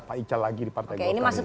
pak ical lagi di partai golkar